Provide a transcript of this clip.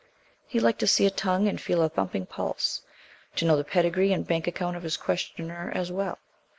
He liked to see a tongue and feel a thumping pulse; to know the pedigree and bank account of his questioner as well.